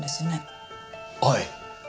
はい。